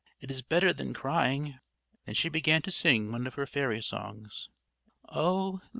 It is better than crying." Then she began to sing one of her fairy songs: "_Oh!